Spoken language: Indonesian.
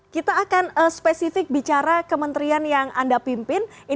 kita akan spesifik bicara kementerian yang anda pimpin